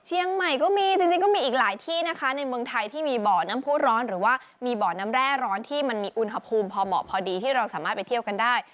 เชียงใหม่ก็มีจริงก็มีอีกหลายที่นะคะในเมืองไทยที่มีบ่อน้ำผู้ร้อนหรือว่ามีบ่อน้ำแร่ร้อนที่มันมีอุณหภูมิพอเหมาะพอดีที่เราสามารถไปเที่ยวกันได้